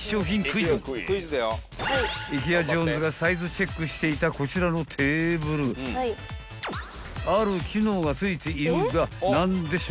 ［イケア・ジョーンズがサイズチェックしていたこちらのテーブルある機能が付いているが何でしょか？］